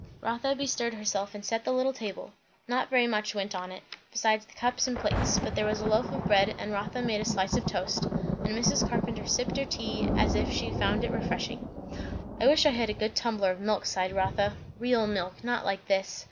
Rotha bestirred herself and set the little table. Not very much went on it, besides the cups and plates; but there was a loaf of bread, and Rotha made a slice of toast; and Mrs. Carpenter sipped her tea as if she found it refreshing. "I wish I had a good tumbler of milk," sighed Rotha; "real milk, not like this.